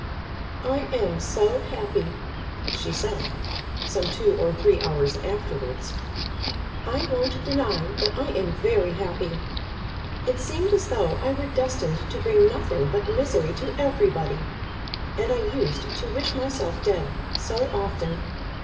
"I am so happy," she said, some two or three hours afterwards. "I won't deny that I am very happy. It seemed as though I were destined to bring nothing but misery to everybody, and I used to wish myself dead so often.